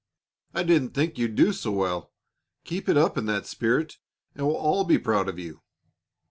"I didn't think you'd do so well. Keep it up in that spirit, and we'll all be proud of you.